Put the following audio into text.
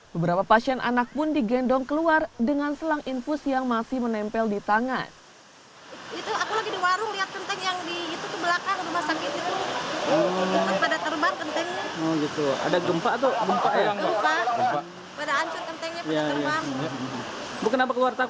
beberapa pasien anak pun digendong keluar dengan selang infus yang masih menempel di tangan